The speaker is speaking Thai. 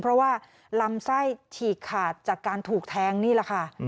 เพราะว่าลำไส้ฉีกขาดจากการถูกแทงนี่แหละค่ะ